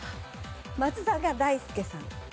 松坂大輔さん。